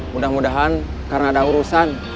mudah mudahan karena ada urusan